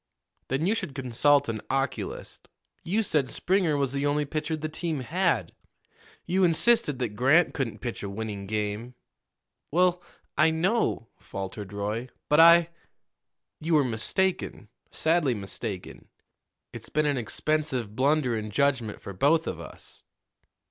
Then you should consult an oculist. You said Springer was the only pitcher the team had; you insisted that Grant couldn't pitch a winning game." "Well, I know," faltered Roy; "but I " "You were mistaken sadly mistaken. It's been an expensive blunder in judgment for both of us."